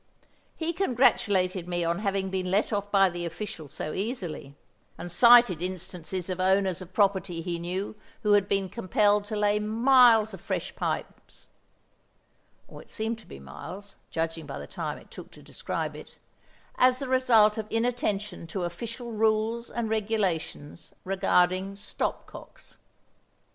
He congratulated me on having been let off by the Official so easily, and cited instances of owners of property he knew who had been compelled to lay miles of fresh pipes (or it seemed to be miles, judging by the time he took to describe it) as the result of inattention to Official Rules and Regulations regarding Stop cocks.